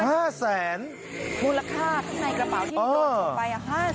ห้าแสนมูลค่าข้างในกระเป๋าที่ลดออกไปอ่ะห้าแสนบาท